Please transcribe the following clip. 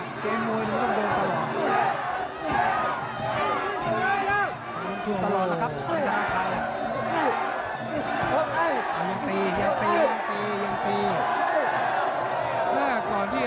ยังตียังตียังตี